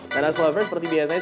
karena aslobber seperti biasanya